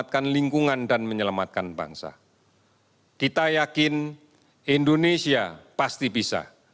kita yakin indonesia pasti bisa